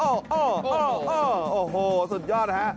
โอ้โหสุดยอดนะฮะ